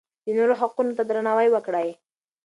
د نورو حقونو ته درناوی وکړئ.